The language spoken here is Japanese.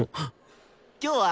今日は？